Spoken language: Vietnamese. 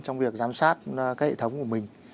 trong việc giám sát các hệ thống của mình